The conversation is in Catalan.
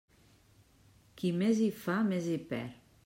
Qui més hi fa, més hi perd.